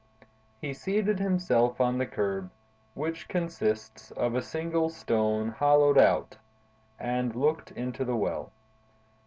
He seated himself on the curb, which consists of a single stone hollowed out, and looked into the well.